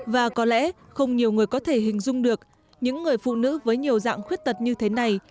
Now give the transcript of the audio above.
và có lẽ không nhiều người có thể hình dung được những người phụ nữ với nhiều dạng khuyết tật như thế này